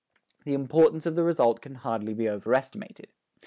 The importance of the result can hardly be overestimated.